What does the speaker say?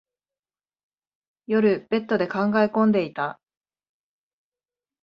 夜、ベッドで考え込んでいた。